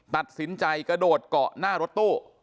ตัดสินใจกระโดดเกาะหน้ารถตู้